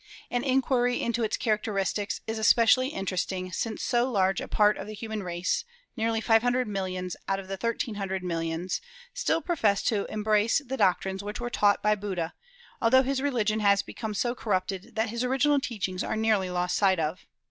An inquiry into its characteristics is especially interesting, since so large a part of the human race nearly five hundred millions out of the thirteen hundred millions still profess to embrace the doctrines which were taught by Buddha, although his religion has become so corrupted that his original teachings are nearly lost sight of.